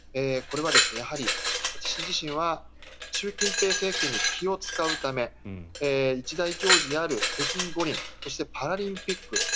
これはやはり私自身は習近平政権に気を使うため一大行事である北京五輪そしてパラリンピック